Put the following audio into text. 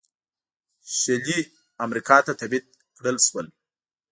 شلي امریکا ته تبعید کړل شول.